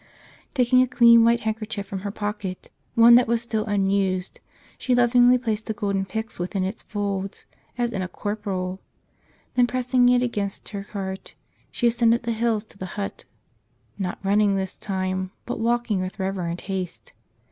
Taking a clean white handkerchief from her pocket, one that was still unused — she lovingly placed the golden pyx within its folds as in a corporal. Then pressing it against her heart she ascended the hills to the hut — not running this time, but walking with reverent haste.